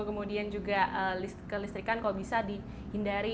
kemudian juga ke listrik kan kalau bisa dihindari